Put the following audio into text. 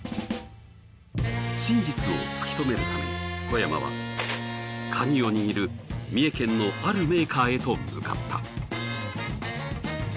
真実を突き止めるために小山はカギを握る三重県のあるメーカーへと向かった。